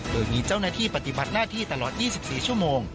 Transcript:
โดยมีเจ้าหน้าที่ปฏิบัติหน้าที่ตลอด๒๔ชั่วโมง